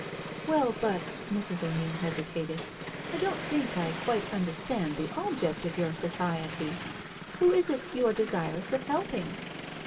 *'" Well, but "—Mrs. O'Neil hesitated—" I don't think I quite understand the object of your society. Who is it you are desirous of helping?"